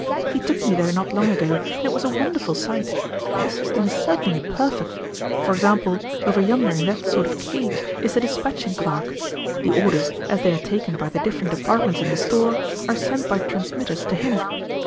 He took me there not long ago, and it was a wonderful sight. The system is certainly perfect; for example, over yonder in that sort of cage is the dispatching clerk. The orders, as they are taken by the different departments in the store, are sent by transmitters to him.